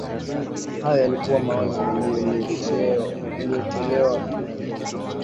hayo yalikuwa maoni yaliyotolewa na wengi